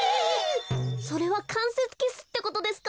それはかんせつキスってことですか？